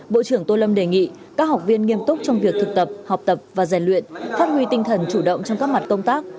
bộ trưởng tô lâm đề nghị các học viên nghiêm túc trong việc thực tập học tập và rèn luyện phát huy tinh thần chủ động trong các mặt công tác